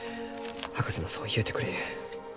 博士もそう言うてくれゆう。